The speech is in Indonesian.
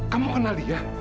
kamu kenal dia